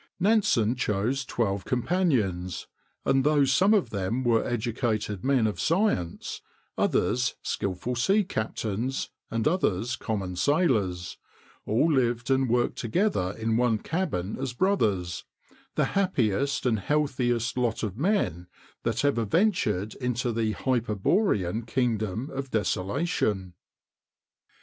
Nansen chose twelve companions, and though some of them were educated men of science, others skilful sea captains, and others common sailors, all lived and worked together in one cabin as brothers—the happiest and healthiest lot of men that ever ventured into the hyperborean kingdom of desolation.